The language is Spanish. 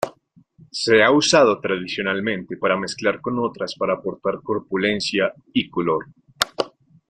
Se ha usado tradicionalmente para mezclar con otras para aportar corpulencia y color.